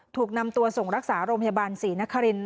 ถูกนำตัวส่งรักษาโรงพยาบาลศรีนคริน